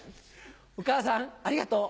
お母さんありがとう。